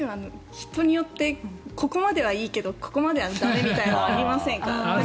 人によってここまではいいけどここまでは駄目みたいなありませんか。